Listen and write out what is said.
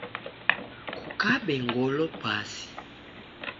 Kukabe ngolo pasi